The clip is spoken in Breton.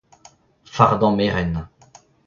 fardañ merenn